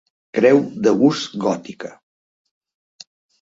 Creu de gust gòtica.